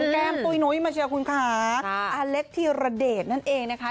แก้มปุ๋ยนุ้ยมาเชียวคุณค่ะอาเล็กธีรเดชนั่นเองนะคะ